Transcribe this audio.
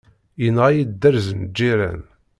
Yenɣa-yi dderz n lǧiran.